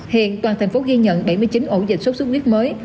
hiện toàn tp hcm ghi nhận bảy mươi chín ổ dịch sốt sốt huyết mới